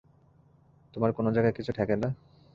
তোমার কোনো জায়গায় কিছু ঠেকে না?